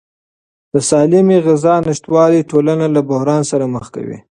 د سالمې غذا نشتوالی ټولنه له بحران سره مخ کوي.